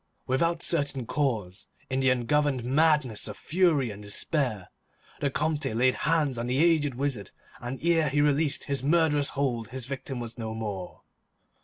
Without certain cause, in the ungoverned madness of fury and despair, the Comte laid hands on the aged wizard, and ere he released his murderous hold his victim was no more.